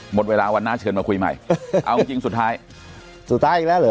หมดเวลาวันหน้าเชิญมาคุยใหม่เอาจริงจริงสุดท้ายสุดท้ายอีกแล้วเหรอ